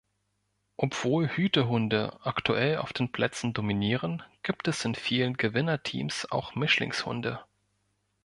Obwohl Hütehunde aktuell auf den Plätzen dominieren, gibt es in vielen Gewinnerteams auch Mischlingshunde.